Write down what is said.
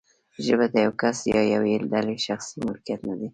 ژبه د یو کس یا یوې ډلې شخصي ملکیت نه دی.